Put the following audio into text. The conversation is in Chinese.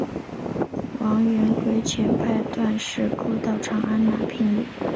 王元逵派遣段氏姑到长安纳聘礼。